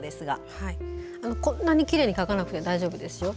こんなにきれいに書かなくて大丈夫ですよ。